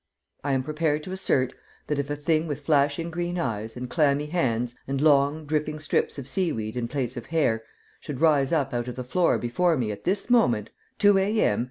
I am prepared to assert that if a thing with flashing green eyes, and clammy hands, and long, dripping strips of sea weed in place of hair, should rise up out of the floor before me at this moment, 2 A.M.